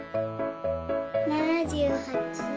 ７８。